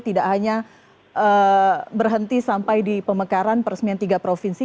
tidak hanya berhenti sampai di pemekaran peresmian tiga provinsi